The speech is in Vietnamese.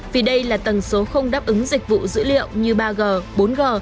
vì đây là tầng số không đáp ứng dịch vụ dữ liệu như ba g bốn g